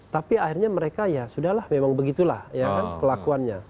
tapi akhirnya mereka ya sudah lah memang begitulah kelakuannya